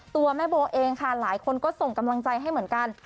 ตัวแม่โบเองค่ะหลายคนก็ส่งกำลังใจให้เหมือนกัน